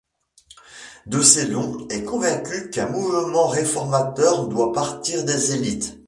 De Sellon est convaincu qu'un mouvement réformateur doit partir des élites.